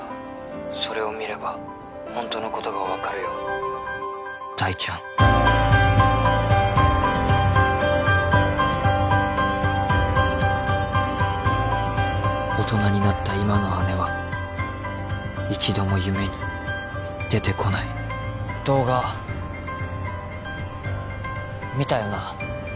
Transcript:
☎それを見ればホントのことが分かるよ☎大ちゃん大人になった今の姉は一度も夢に出てこない動画見たよな？